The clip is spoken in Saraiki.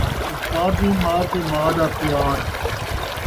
استاد دی مار تے ماء دا پیار